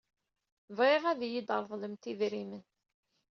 Bɣiɣ ad iyi-d-treḍlemt idrimen.